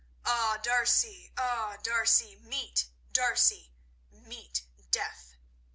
_A D'Arcy! A D'Arcy! Meet D'Arcy, meet Death!